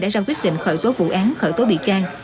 đã ra quyết định khởi tố vụ án khởi tố bị can